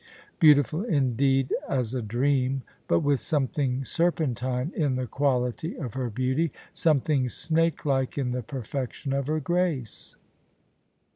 Beautiful indeed as a dream: but with something serpentine in the quality of her beauty — some thing snakelike in the perfection of her grace.